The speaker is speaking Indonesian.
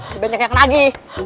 dibanyak yang lagi